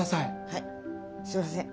はいすいません。